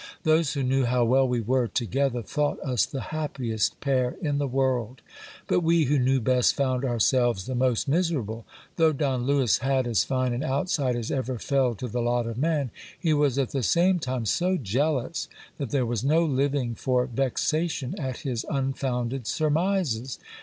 Those who knew how well we were together, thought us the happiest pair in the world ; but we, who knew best, found our selves the most miserable. Though Don Lewis had as fine an outside as ever fell to the lot of man, he was at the same time so jealous, that there was no living for vexation at his unfounded surmises.